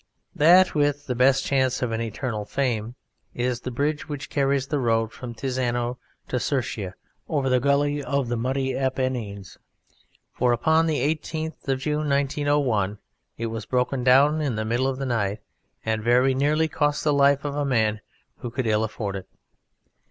That with the best chance of an eternal fame is the bridge which carries the road from Tizzano to Serchia over the gully of the muddy Apennines, for upon the 18th of June, 1901, it was broken down in the middle of the night, and very nearly cost the life of a man who could ill afford it.